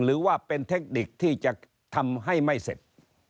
หรือว่าเป็นเทคนิคที่จะทำให้ไม่เสร็จ